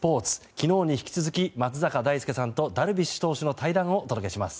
昨日に引き続き松坂大輔さんとダルビッシュ投手の対談をお届けします。